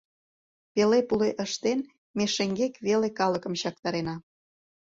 Пеле-пуле ыштен, ме шеҥгек веле калыкым чактарена.